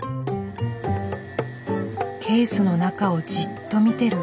ケースの中をじっと見てる。